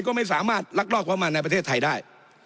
ก็ไม่สามารถลักลอกเข้ามาในประเทศไทยได้